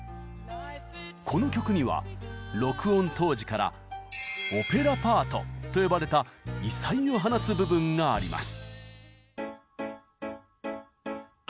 この曲には録音当時から「オペラパート」と呼ばれた異彩を放つ部分があります。